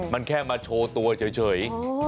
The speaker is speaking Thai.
มันแค่มาโชว์ตัวเฉย